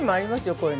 こういうの。